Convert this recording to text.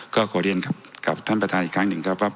ก็โกรธเรียนครับกับท่านประธานอีกครั้งหนึ่งครับครับ